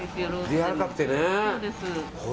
やわらかくてね。